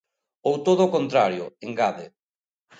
Ou todo o contrario, engade.